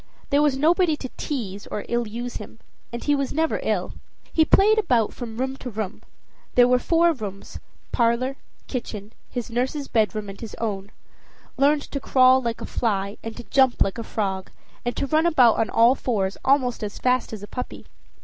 There was nobody to tease or ill use him, and he was never ill. He played about from room to room there were four rooms, parlor, kitchen, his nurse's bedroom, and his own; learned to crawl like a fly, and to jump like a frog, and to run about on all fours almost as fast as a puppy.